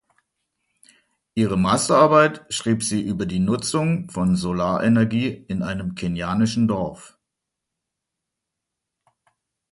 Ihre Masterarbeit schrieb sie über die Nutzung von Solarenergie in einem kenianischen Dorf.